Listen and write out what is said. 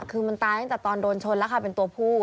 คือมันตายตอนโดนชนแล้วค่ะเป็นตัวผู้